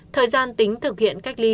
thời gian tính thực hiện cách ly